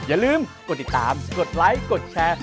อย่าลืมกดติดตามกดไลค์กดแชร์